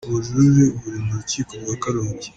ubujurire buri mu rukiko rwa Karongi